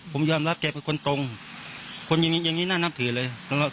ผมยอมรับแกเป็นคนตรงคนอย่างนี้อย่างนี้น่านับถือเลย